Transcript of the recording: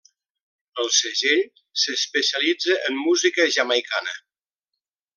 El segell s'especialitza en música jamaicana.